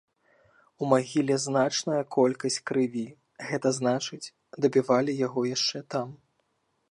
У магіле значная колькасць крыві, гэта значыць, дабівалі яго яшчэ там.